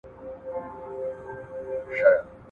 • نوم ئې لوړ کور ئې ډنگر.